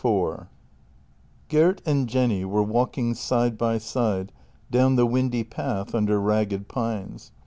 IV G ERT and Jenny were walking side by side down the windy path under ragged pines.